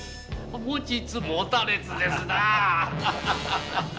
持ちつ持たれつですな。